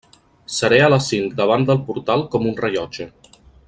Seré a les cinc davant del portal com un rellotge.